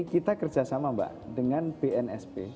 kita kerjasama mbak dengan bnsp